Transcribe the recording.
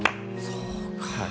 そうかあ。